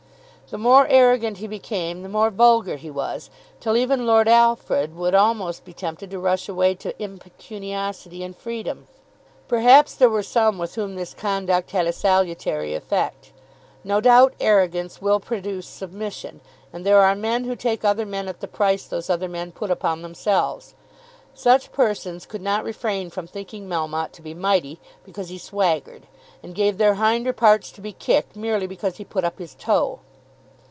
The more arrogant he became the more vulgar he was, till even Lord Alfred would almost be tempted to rush away to impecuniosity and freedom. Perhaps there were some with whom this conduct had a salutary effect. No doubt arrogance will produce submission; and there are men who take other men at the price those other men put upon themselves. Such persons could not refrain from thinking Melmotte to be mighty because he swaggered; and gave their hinder parts to be kicked merely because he put up his toe.